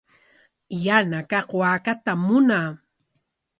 Yana kaq waakatam munaa.